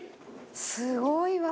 すごいわ。